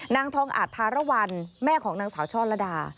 นางทองอาจธารวรรณแม่ของนางสาวช่อละดา